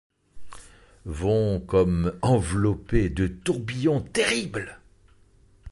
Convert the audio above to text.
Vont comme enveloppés de tourbillons terribles ;